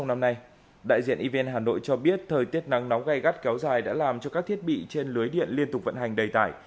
năm nay đại diện evn hà nội cho biết thời tiết nắng nóng gai gắt kéo dài đã làm cho các thiết bị trên lưới điện liên tục vận hành đầy tải